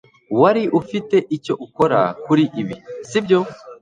Wari ufite icyo ukora kuri ibi, sibyo?